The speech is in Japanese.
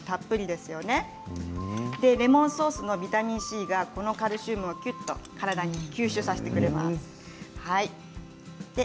そしてレモンソースのビタミンＣが、このカルシウムを体に吸収させてくれます。